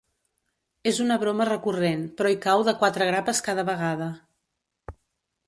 És una broma recurrent, però hi cau de quatre grapes cada vegada.